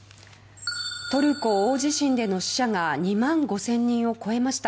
トルコ大地震での死者が２万５０００人を超えました。